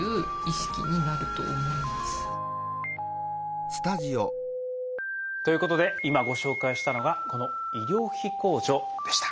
私みたいなということで今ご紹介したのがこの医療費控除でした。